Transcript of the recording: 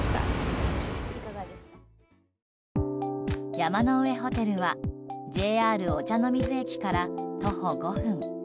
山の上ホテルはＪＲ御茶ノ水駅から徒歩５分。